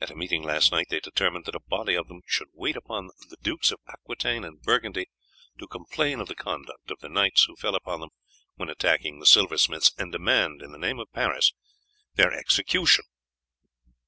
At a meeting last night they determined that a body of them should wait upon the Dukes of Aquitaine and Burgundy to complain of the conduct of the knights who fell upon them when attacking the silversmith's, and demand in the name of Paris their execution."